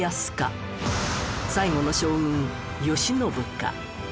最後の将軍慶喜か？